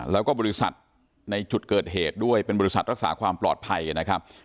แล้วก็บริษัทในจุดเกิดเหตุด้วยเป็นบริษัทรักษาความปลอดภัยนะครับ